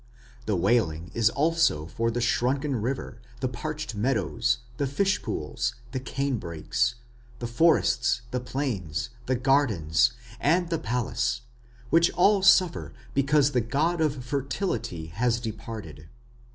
The wailing is also for the shrunken river, the parched meadows, the fishpools, the cane brakes, the forests, the plains, the gardens, and the palace, which all suffer because the god of fertility has departed.